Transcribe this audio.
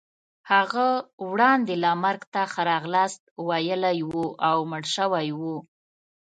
هغه وړاندې لا مرګ ته ښه راغلاست ویلی وو او مړ شوی وو.